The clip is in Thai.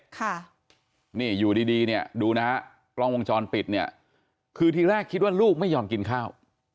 กร่องวงจรปิดคือติดแรกคิดว่าลูกไม่ยอมกินข้าว